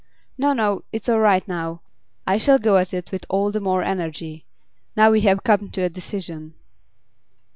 'No, no; it's all right now. I shall go at it with all the more energy, now we have come to a decision.